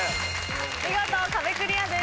見事壁クリアです。